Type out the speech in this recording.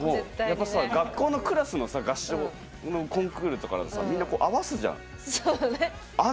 学校のクラスの合唱のコンクールとかみんな合わすじゃん。